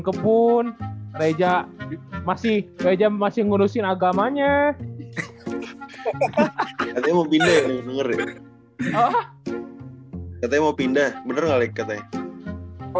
kebun reza masih ngurusin agamanya katanya mau pindah bener gak like katanya